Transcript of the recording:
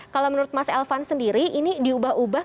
kalau menurut mas elvan sendiri ini diubah ubah